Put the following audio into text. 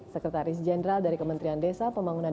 sekretaris jenderal dari kementerian desa pembangunan